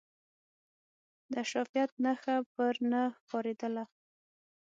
د اشرافیت نخښه پر نه ښکارېدله.